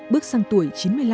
bước sang tuổi chín mươi năm